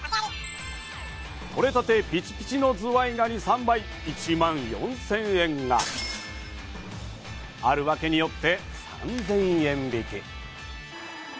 とれたてピチピチのズワイガニ３杯１万４０００円が、あるワケによって３０００円引き。